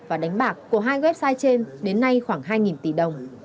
và đánh bạc của hai website trên đến nay khoảng hai tỷ đồng